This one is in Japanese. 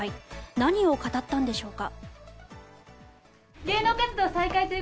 何を語ったんでしょうか。